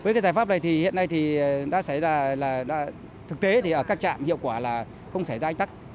với cái giải pháp này thì hiện nay thì đã xảy ra là thực tế thì ở các trạm hiệu quả là không xảy ra ánh tắc